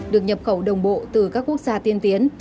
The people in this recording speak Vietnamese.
được nhập khẩu đồng bộ từ các quốc gia tiên tiến